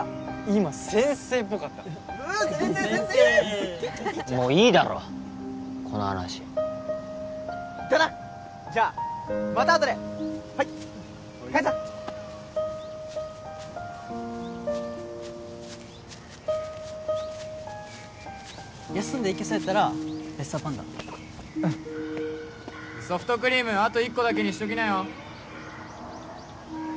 今先生っぽかったフーッ先生先生先生もういいだろこの話だなじゃまた後ではい解散休んで行けそうやったらレッサーパンダうんソフトクリームあと１個だけにしときなよ